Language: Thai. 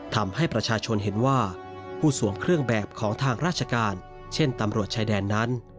ทำให้ประชาชนเห็นว่าผู้สวมเครื่องแบบของทางราชการเช่นตำรวจชายแดนนั้น